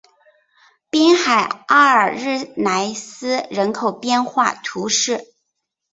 滨海阿尔日莱斯人口变化图示